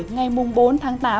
ngày bốn tháng tám